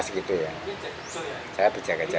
saya dijaga jaga bekerja saya